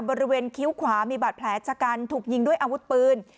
คิ้วขวามีบาดแผลชะกันถูกยิงด้วยอาวุธปืน